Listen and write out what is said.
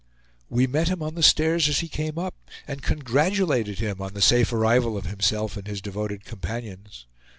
We met him on the stairs as he came up, and congratulated him on the safe arrival of himself and his devoted companions.